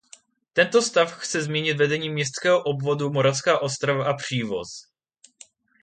Tento stav chce změnit vedení městského obvodu Moravská Ostrava a Přívoz.